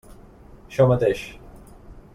Això mateix.